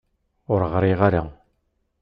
Ur ɣriɣ ara